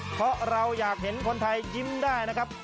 เพราะเราอยากเห็นคนไทยยิ้มได้นะครับ